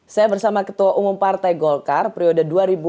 saya bersama ketua umum partai golkar periode dua ribu sembilan belas dua ribu